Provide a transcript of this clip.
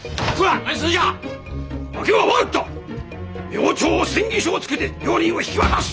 明朝詮議書をつけて両人を引き渡す！